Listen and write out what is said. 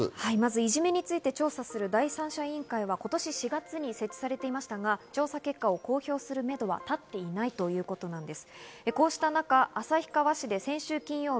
いじめについて調査する第三者委員会は今年４月に設置されていましたが、調査結果を公表するめどは立っていないということです。